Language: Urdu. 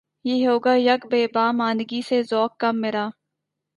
نہ ہوگا یک بیاباں ماندگی سے ذوق کم میرا